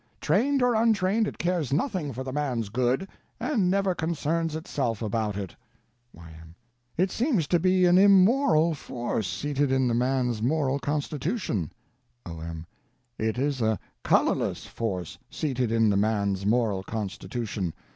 Trained or untrained, it cares nothing for the man's good, and never concerns itself about it. Y.M. It seems to be an _immoral _force seated in the man's moral constitution. O.M. It is a _colorless _force seated in the man's moral constitution.